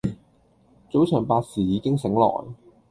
早上八時已經醒來